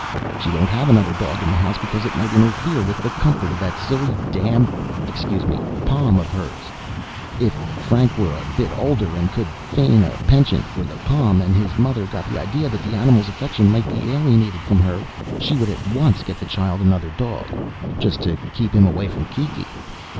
She won't have another dog in the house because it might interfere with the comfort of that silly damn excuse me Pom of hers. If Frank were a bit older and could feign a penchant for the Pom and his mother got the idea that the animal's affection might be alienated from her, she would at once get the child another dog, just to keep him away from Kiki."